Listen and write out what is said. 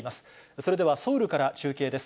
それでは、ソウルから中継です。